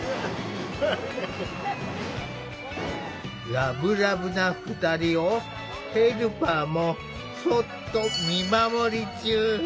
ラブラブな２人をヘルパーもそっと見守り中。